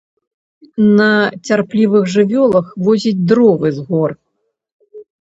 На цярплівых жывёлах возіць дровы з гор.